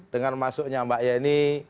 dengan maksudnya mbak yeni